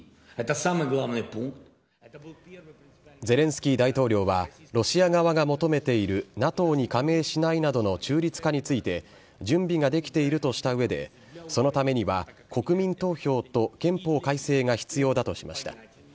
ゼレンスキー大統領は、ロシア側が求めているＮＡＴＯに加盟しないなどの中立化について、準備ができているとしたうえで、そのためには国民投票と憲法改正が必要だとしました。